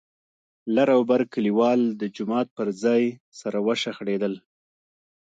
لر او بر کليوال د جومات پر ځای سره وشخړېدل.